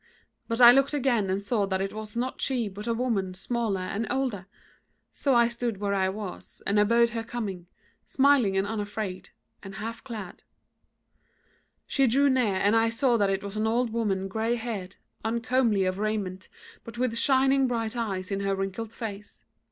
But I looked again and saw that it was not she but a woman smaller and older. So I stood where I was and abode her coming, smiling and unafraid, and half clad. "She drew near and I saw that it was an old woman grey haired, uncomely of raiment, but with shining bright eyes in her wrinkled face.